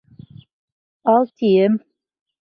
Ал, тием!